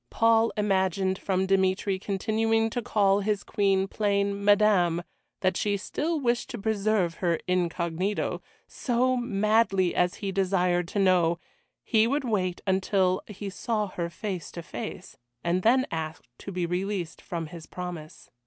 Paul imagined from Dmitry continuing to call his Queen plain "Madame" that she still wished to preserve her incognito, so, madly as he desired to know, he would wait until he saw her face to face, and then ask to be released from his promise.